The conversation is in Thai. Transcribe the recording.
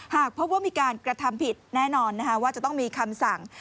หากพบว่ามีการกระทำผิดแน่นอนว่าจะต้องมีคำสั่ง